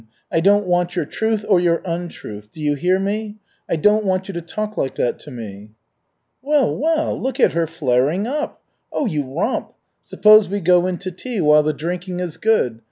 I don't want your truth or your untruth. Do you hear me? I don't want you to talk like that to me." "Well, well! Look at her flaring up! Oh, you romp! Suppose we go in to tea while the drinking is good.